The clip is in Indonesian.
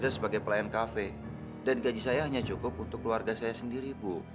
saya hanya cukup untuk keluarga saya sendiri ibu